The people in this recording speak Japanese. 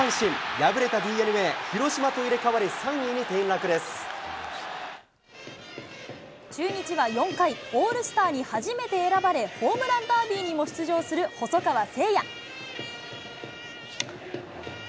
敗れたＤｅＮＡ、中日は４回、オールスターに初めて選ばれ、ホームランダービーにも出場する細川成也。